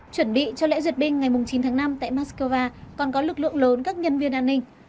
chuẩn bị cho lễ duyệt binh ngày chín tháng năm tại moscow còn có lực lượng lớn các nhân viên an ninh